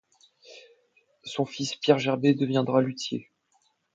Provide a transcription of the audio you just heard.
Son fils Pierre Gerber deviendra luthier.